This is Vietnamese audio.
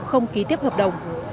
không ký tiếp hợp đồng